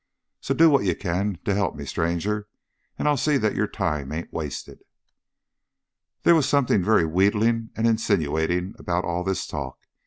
So do what you can to help me, stranger, and I'll see that your time ain't wasted." There was something very wheedling and insinuating about all this talk.